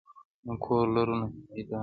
نه کور لرو نه جایداد